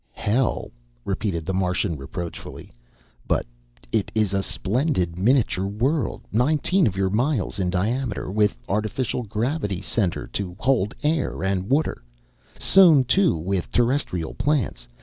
"Hell?" repeated the Martian reproachfully. "But it iss a ssplendid miniaturre worrld nineteen of yourr miless in diameterr, with arrtificial grravity centerr to hold airr and waterr; ssown, too, with Terresstrrial plantss.